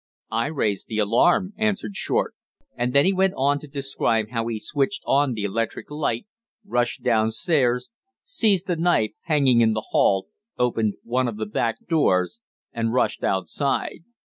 "I raised the alarm," answered Short; and then he went on to describe how he switched on the electric light, rushed downstairs, seized the knife hanging in the hall, opened one of the back doors and rushed outside.